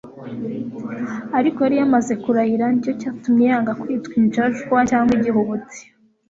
Ariko yari yamaze kurahira, nicyo cyatumye yanga kwitwa injajwa cyangwa igihubutsi.